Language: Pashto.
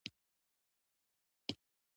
خاوره د افغانستان د اقلیمي نظام ښکارندوی ده.